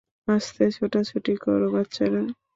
আস্তে ছোটাছুটি করো, বাচ্চারা!